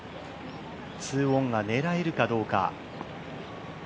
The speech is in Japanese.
２オンが狙えるかどうか。